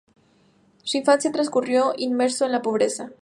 Su infancia transcurrió inmerso en la pobreza.